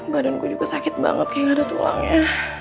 badanku juga sakit banget kayak gak ada tulangnya